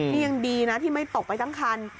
นี่ยังดีนะที่ไม่ตกไปทั้งคัน